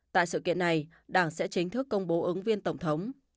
tại sự kiện này đảng sẽ chính thức công bố ứng viên tổng thống